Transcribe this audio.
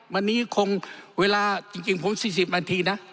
วันนี้คงเวลาจริงผม๔๐นาทีนะ